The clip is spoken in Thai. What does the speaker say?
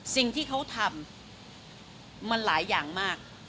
สิ่งที่เขาทำมันหลายอย่างมาก